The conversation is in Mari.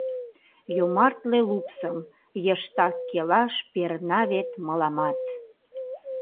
Йомартле лупсым Йыштак келаш перна вет мыламат.